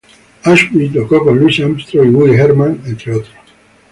Ashby tocó con Louis Armstrong y Woody Herman, entre otros.